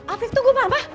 afif tunggu mama